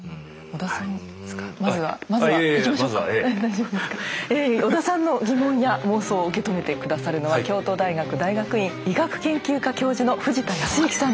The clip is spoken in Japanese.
織田さんの疑問や妄想を受け止めて下さるのは京都大学大学院医学研究科教授の藤田恭之さんです。